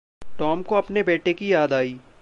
Tom को अपने बेटे की याद आई।